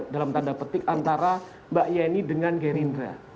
dalam tanda petik antara mbak yeni dengan gerindra